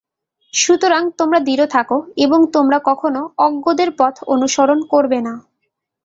সুতরাং তোমরা দৃঢ় থাক এবং তোমরা কখনও অজ্ঞদের পথ অনুসরণ করবে না।